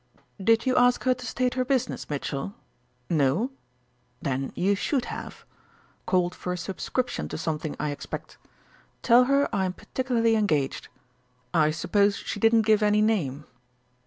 "Did you ask her to state her business, Mitchell?... No? Then you should have. Called for a subscription to something, I expect. Tell her I am particularly engaged. I suppose she didn't give any name?"